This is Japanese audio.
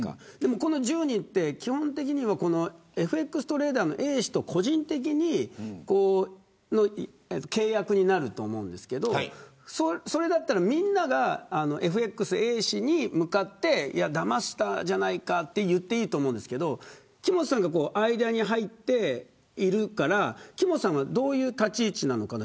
この１０人は基本的にＦＸトレーダーのＡ氏と個人的に契約になると思うんですけどそれならみんながＦＸ、Ａ氏に向かってだましたじゃないかと言っていいと思うんですけど木本さんが間に入ってるから木本さんがどういう立ち位置なのかな。